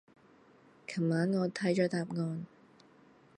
琴晚我睇咗答案